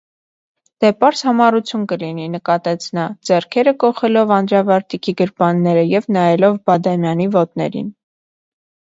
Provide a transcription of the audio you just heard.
- Դա պարզ համառություն կլինի,- նկատեց նա, ձեռքերը կոխելով անդրավարտիքի գրպանները և նայելով Բադամյանի ոտներին: